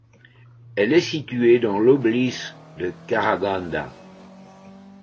Elle est située dans l'oblys de Karaganda.